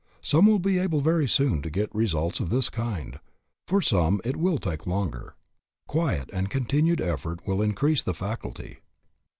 Some will be able very soon to get results of this kind; for some it will take longer. Quiet and continued effort will increase the faculty.